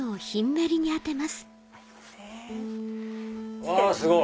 うわすごい！